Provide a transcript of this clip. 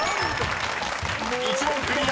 ［１問クリア！